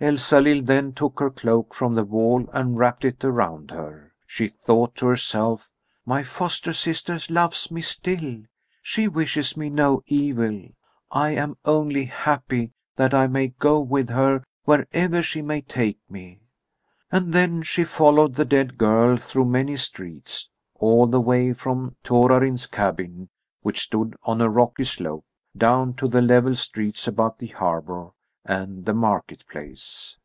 Elsalill then took her cloak from the wall and wrapped it around her. She thought to herself: "My foster sister loves me still. She wishes me no evil. I am only happy that I may go with her wherever she may take me." And then she followed the dead girl through many streets, all the way from Torarin's cabin, which stood on a rocky slope, down to the level streets about the harbour and the market place.